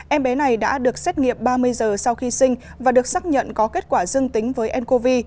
em bé này đã được xét nghiệm ba mươi giờ sau khi sinh và được xác nhận có kết quả dương tính với ncov